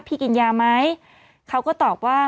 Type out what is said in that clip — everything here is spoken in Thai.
กินยาไหมเขาก็ตอบว่า